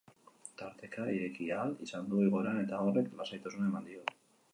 Tartea ireki ahal izan du igoeran eta horrek lasaitasuna eman dio.